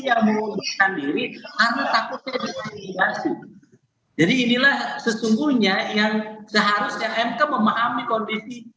jadi ini adalah sesungguhnya yang seharusnya mk memahami kondisi